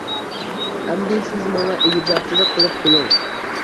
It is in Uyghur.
ئەمدى سىز ماڭا ئىگىدارچىلىق قىلىپ قويۇڭ!